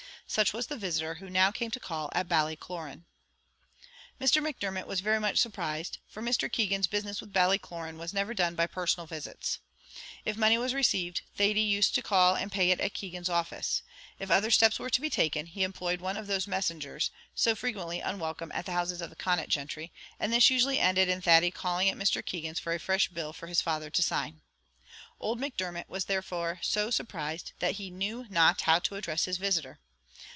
Such was the visitor who now came to call at Ballycloran. Mr. Macdermot was very much surprised, for Mr. Keegan's business with Ballycloran was never done by personal visits. If money was received, Thady used to call and pay it at Keegan's office; if other steps were to be taken, he employed one of those messengers, so frequently unwelcome at the houses of the Connaught gentry, and this usually ended in Thady calling at Mr. Keegan's for a fresh bill for his father to sign. Old Macdermot was therefore so surprised that he knew not how to address his visitor.